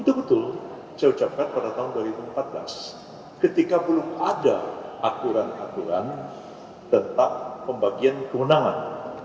itu betul saya ucapkan pada tahun dua ribu empat belas ketika belum ada aturan aturan tentang pembagian kewenangan